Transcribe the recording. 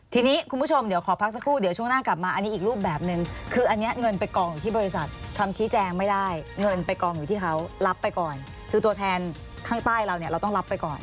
ทีนี้คุณผู้ชมเดี๋ยวขอพักสักครู่เดี๋ยวช่วงหน้ากลับมาอันนี้อีกรูปแบบนึงคืออันนี้เงินไปกองอยู่ที่บริษัทคำชี้แจงไม่ได้เงินไปกองอยู่ที่เขารับไปก่อนคือตัวแทนข้างใต้เราเนี่ยเราต้องรับไปก่อน